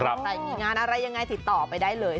ใครมีงานอะไรยังไงติดต่อไปได้เลย